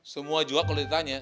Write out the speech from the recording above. semua jual kalau ditanya